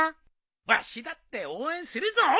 わしだって応援するぞ！